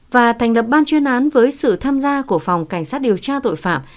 và thành lập ban chuyên án với sự tham gia của phòng cảnh sát điều tra tội phạm